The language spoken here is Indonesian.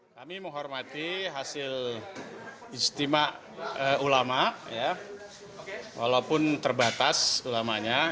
kami menghormati hasil istimewa ulama walaupun terbatas ulamanya